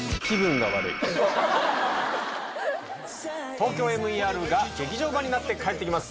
ＴＯＫＹＯＭＥＲが劇場版になってかえってきます